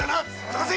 捜せ！